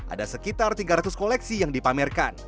ada sekitar tiga ratus koleksi yang dipamerkan